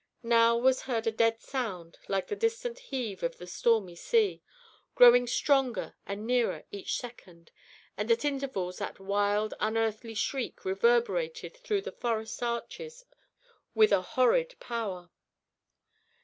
Now was heard a dead sound like the distant heave of the stormy sea, growing stronger and nearer each second, and at intervals that wild, unearthly shriek reverberated through the forest arches with a horrid power.